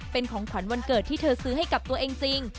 เป็นของขวัญวันเกิดที่เธอซื้อให้กับตัวเองจริง